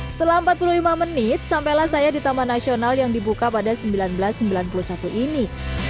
setelah empat puluh lima menit sampailah saya di taman nasional yang dibuka pada seribu sembilan ratus sembilan puluh satu ini